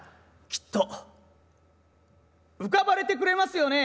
きっと浮かばれてくれますよね？